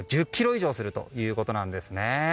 １０ｋｇ以上するということです。